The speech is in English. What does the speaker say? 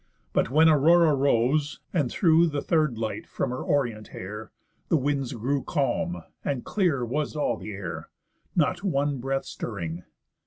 But when Aurora rose, And threw the third light from her orient hair, The winds grew calm, and clear was all the air, Not one breath stirring.